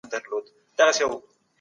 هغه هلک چي پوهنتون ته ځي ډېر هوښیار دی.